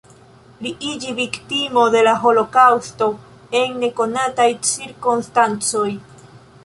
Li iĝi viktimo de la holokaŭsto en nekonataj cirkonstancoj.